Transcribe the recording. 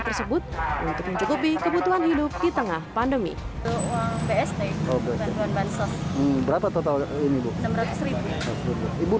tersebut untuk mencukupi kebutuhan hidup di tengah pandemi berapa total ini bu enam ratus ibu